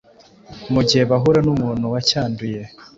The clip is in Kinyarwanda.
mu gihe bahura n’umuntu wacyanduye.